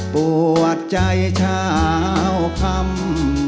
ปวดใจชาวคำ